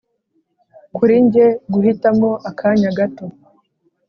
kuri njye guhitamo akanya gato